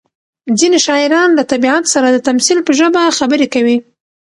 ځینې شاعران له طبیعت سره د تمثیل په ژبه خبرې کوي.